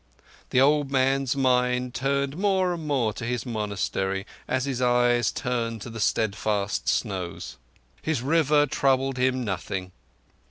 The old man's mind turned more and more to his monastery as his eyes turned to the steadfast snows. His River troubled him nothing.